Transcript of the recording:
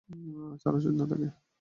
ছাড়া উচিত না তাকে।